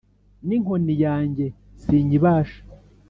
n’inkoni yanjye sinyibasha